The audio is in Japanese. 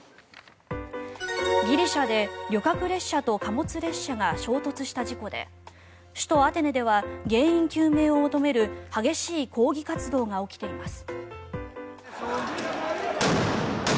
ギリシャで旅客列車と貨物列車が衝突した事故で首都アテネでは原因究明を求める激しい抗議活動が起きています。